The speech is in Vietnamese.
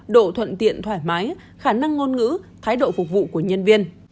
độ thuận tiện thoải mái khả năng ngôn ngữ thái độ phục vụ của nhân viên